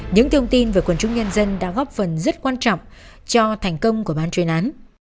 những thông tin về quần trung nhân dân đã góp phần rất quan trọng cho thành công của bản truyền án